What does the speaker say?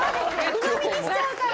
鵜呑みにしちゃうから。